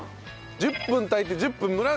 １０分炊いて１０分蒸らす！